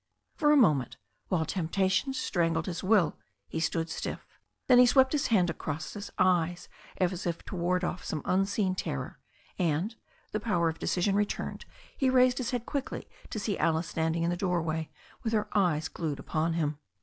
For a moment, while temptation strangled his will, he stood stiff. Then he swept his hands across his eyes as if to ward off some unseen terror, and, the power of decision returned, he raised his head quickly to see Alice standing in the doorway with her eyes glued upon him.